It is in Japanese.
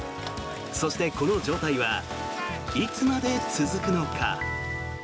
そして、この状態はいつまで続くのか。